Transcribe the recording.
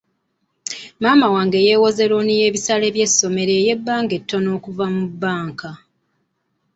Maama wange yeewoze looni y'ebisale by'essomero ey'ebbanga ettono okuva mu banka.